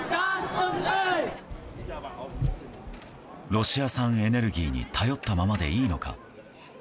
ロシア産エネルギーに頼ったままでいいのか。